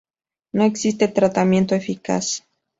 No existe tratamiento eficaz.